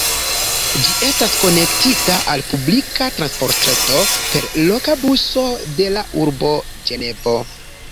Ĝi estas konektita al la publika transportreto per loka buso de la urbo Ĝenevo.